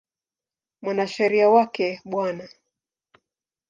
Mwanasheria wake Bw.